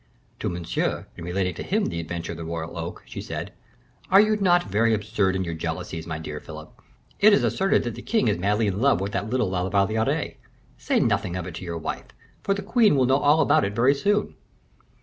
To Monsieur, in relating to him the adventure of the royal oak, she said, "Are you not very absurd in your jealousies, my dear Philip? It is asserted that the king is madly in love with that little La Valliere. Say nothing of it to your wife; for the queen will know all about it very soon."